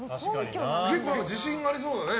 結構自信がありそうだね。